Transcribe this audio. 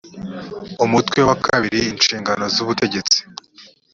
umutwe wa kabiri inshingano zubutegetsi